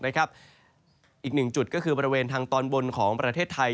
อีกหนึ่งจุดก็คือบริเวณทางตอนบนของประเทศไทย